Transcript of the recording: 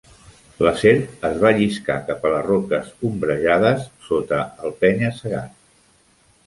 La serp es va lliscar cap a les roques ombrejades sota el penya-segat.